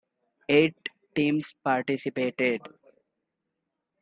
Eight teams participated.